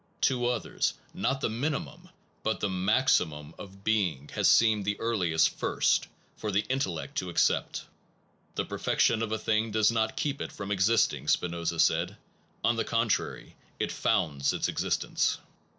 To others not the minimum, but the maxi mum of being has seemed the earliest First for the intellect to accept. The perfection of a thing does not keep it from existing, Spinoza said, on the contrary, it founds its existence.